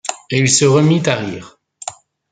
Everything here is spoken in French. Et il se remit à rire.